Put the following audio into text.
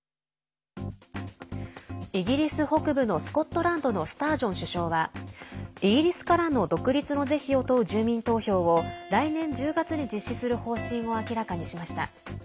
イギリス北部のスコットランドのスタージョン首相はイギリスからの独立の是非を問う住民投票を来年１０月に実施する方針を明らかにしました。